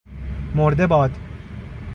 مرده باد...!